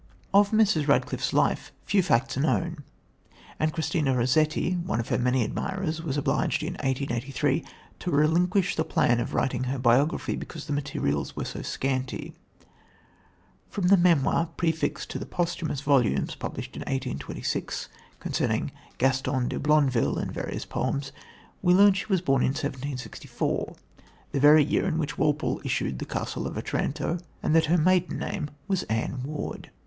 Of Mrs. Radcliffe's life few facts are known, and Christina Rossetti, one of her many admirers, was obliged, in 1883, to relinquish the plan of writing her biography, because the materials were so scanty. From the memoir prefixed to the posthumous volumes, published in 1826, containing Gaston de Blondeville, and various poems, we learn that she was born in 1764, the very year in which Walpole issued The Castle of Otranto, and that her maiden name was Ann Ward.